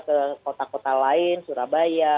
ke kota kota lain surabaya